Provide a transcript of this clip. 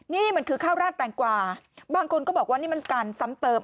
นี่มันคือข้าวราดแตงกวาบางคนก็บอกว่านี่มันการซ้ำเติม